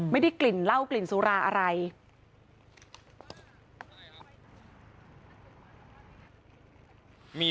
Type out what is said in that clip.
ไม่ได้กลิ่นเหล้ากลิ่นสุราอะไร